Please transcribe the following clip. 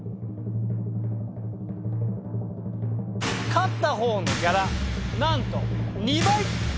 勝った方のギャラなんと２倍！